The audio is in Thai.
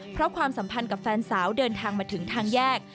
เพราะความสัมพันธ์กับแฟนสาวเดินทางมาถึงทางแยก